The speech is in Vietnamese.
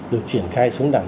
được triển khai xuống đẳng